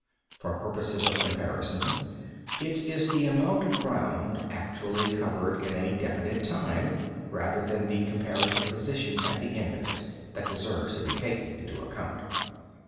For purposes of comparison it is the amount of ground actually covered in a definite time, rather than the comparative position at the end of it, that deserves to be taken into account.